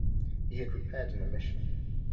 He had repaired an omission.